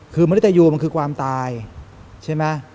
คือมนุษยูมันคือความตายใช่ไหม